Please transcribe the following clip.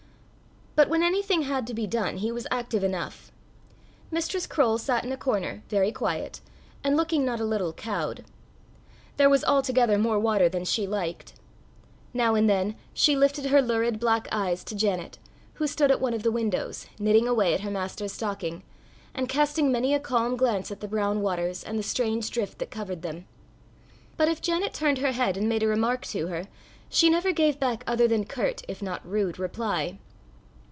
But when anything had to be done, he was active enough. Mistress Croale sat in a corner, very quiet, and looking not a little cowed. There was altogether more water than she liked. Now and then she lifted her lurid black eyes to Janet, who stood at one of the windows, knitting away at her master's stocking, and casting many a calm glance at the brown waters and the strange drift that covered them; but if Janet turned her head and made a remark to her, she never gave back other than curt if not rude reply.